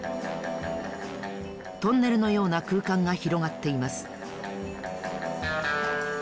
トンネルのようなくうかんがひろがっています。